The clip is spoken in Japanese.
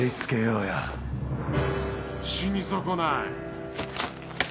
死に損ない。